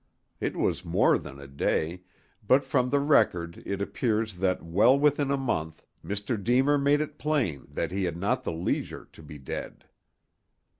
It was more than a day, but from the record it appears that well within a month Mr. Deemer made it plain that he had not the leisure to be dead.